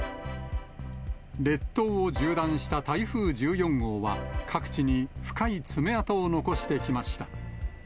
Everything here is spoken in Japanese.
列島を縦断した台風１４号は、各地に深い爪痕を残してきました。